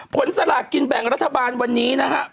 สลากินแบ่งรัฐบาลวันนี้นะฮะ